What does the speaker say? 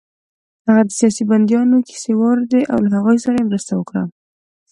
هغه د سیاسي بندیانو کیسې واورېدې او له هغوی سره يې مرسته وکړه